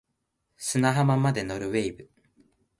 砂浜まで乗る wave